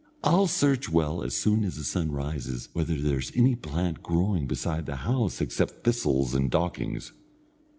I'll search well as soon as the sun rises, whether there's any plant growing beside the house except thistles and dockings."